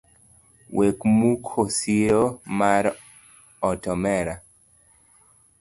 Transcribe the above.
Wek muko siro mar ot omera.